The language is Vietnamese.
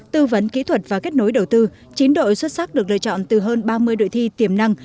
tư vấn kỹ thuật và kết nối đầu tư chín đội xuất sắc được lựa chọn từ hơn ba mươi đội thi tiềm năng